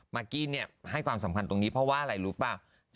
กี้ให้ความสำคัญตรงนี้เพราะว่าอะไรรู้ป่ะ